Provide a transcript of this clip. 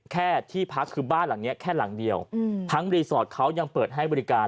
แค่ที่พักคือบ้านหลังนี้แค่หลังเดียวทั้งรีสอร์ทเขายังเปิดให้บริการ